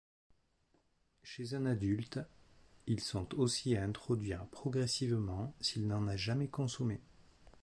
Chez un adulte, ils sont aussi à introduire progressivement s'il n'en a jamais consommé.